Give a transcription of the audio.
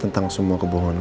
tentang semua kebohongan gue